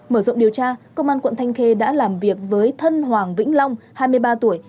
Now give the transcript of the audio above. mở rộng điều tra công an quận thanh khê đã làm việc với thân hoàng vĩnh long hai mươi ba tuổi